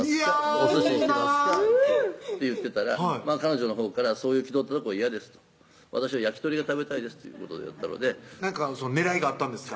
「おすしにしますか？」って言ってたら彼女のほうから「そういう気取ったとこは嫌です」と「私は焼き鳥が食べたいです」ということだったので何か狙いがあったんですか？